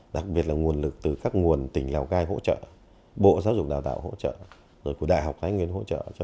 đặc biệt là nguồn lực từ các nguồn tỉnh lào cai hỗ trợ bộ giáo dục đào tạo hỗ trợ rồi của đại học thái nguyên hỗ trợ